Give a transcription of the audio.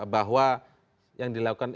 bahwa yang dilakukan